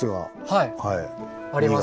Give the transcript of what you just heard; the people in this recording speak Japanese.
はいありますね。